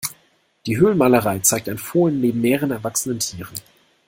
Die Höhlenmalerei zeigt ein Fohlen neben mehreren erwachsenen Tieren.